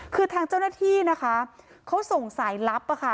คือทางเจ้าหน้าที่นะคะเขาส่งสายลับค่ะ